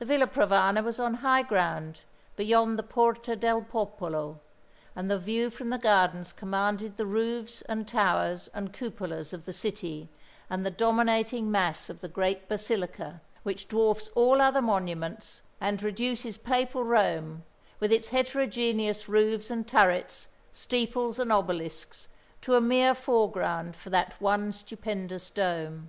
The Villa Provana was on high ground, beyond the Porta del Popolo, and the view from the gardens commanded the roofs and towers and cupolas of the city, and the dominating mass of the great basilica, which dwarfs all other monuments, and reduces papal Rome, with its heterogeneous roofs and turrets, steeples and obelisks, to a mere foreground for that one stupendous dome.